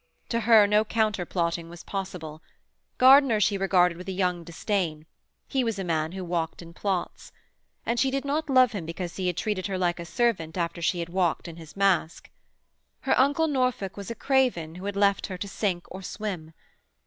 To her no counter plotting was possible. Gardiner she regarded with a young disdain: he was a man who walked in plots. And she did not love him because he had treated her like a servant after she had walked in his masque. Her uncle Norfolk was a craven who had left her to sink or swim.